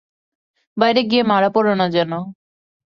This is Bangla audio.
বাইরে গিয়ে মারা পড়ো না যেন।